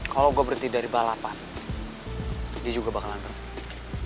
kalo gue berhenti dari balapan dia juga bakalan mundur